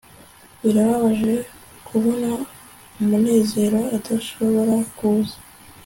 birababaje kubona munezero adashobora kuza